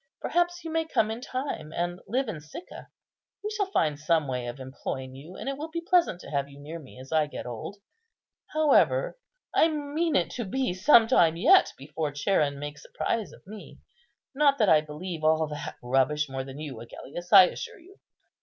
Perhaps you may come in time and live in Sicca. We shall find some way of employing you, and it will be pleasant to have you near me as I get old. However, I mean it to be some time yet before Charon makes a prize of me; not that I believe all that rubbish more than you, Agellius, I assure you."